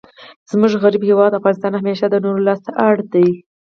زموږ غریب هیواد افغانستان همېشه د نورو لاس ته اړ دئ.